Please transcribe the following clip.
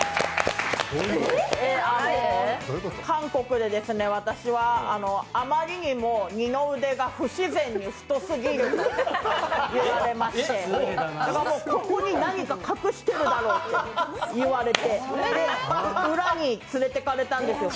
韓国で私はあまりにも二の腕が不自然に太すぎると言われまして、ここに何か隠してるだろ？って言われて、裏に連れていかれたんですよ